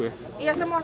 iya semua sekolah